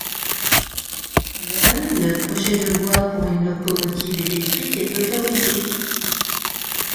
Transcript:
Le le projet de voie pour une locomotive électrique est autorisé.